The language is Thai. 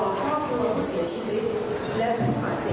ร่วมยืนและป้ามใจสงบนิ่งเป็นเวลาหนึ่งนาที